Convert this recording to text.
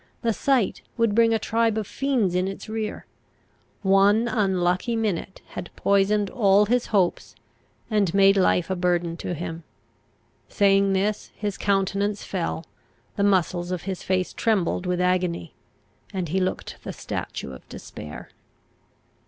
The sight would bring a tribe of fiends in its rear. One unlucky minute had poisoned all his hopes, and made life a burden to him. Saying this, his countenance fell, the muscles of his face trembled with agony, and he looked the statue of despair.